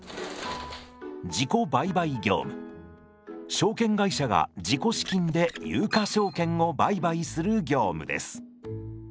証券会社が自己資金で有価証券を売買する業務です。